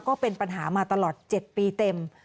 ก็เป็นปัญหามาตลอด๗ปีเต็ม